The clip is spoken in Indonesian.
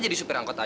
makasih banget ya